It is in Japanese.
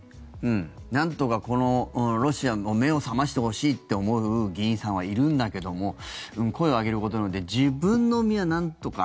なんとか、ロシアの目を覚ましてほしいと思う議員さんはいるんだけども声を上げることによって自分の身はなんとか。